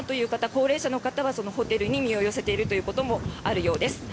高齢者の方はホテルに身を寄せているということもあるようです。